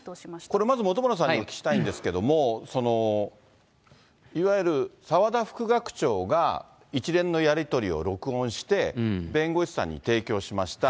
これ、まず本村さんにお聞きしたいんですけれども、いわゆる澤田副学長が一連のやり取りを録音して、弁護士さんに提供しました。